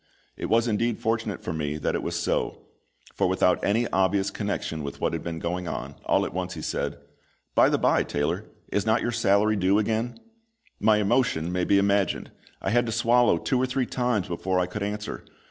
It was indeed fortunate for me that it was so, for without any obvious connection with what had been going on, all at once he said, "By the bye, Taylor, is not your salary due again?" My emotion may be imagined! I had to swallow two or three times before I could answer.